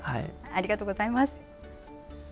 ありがとうございます。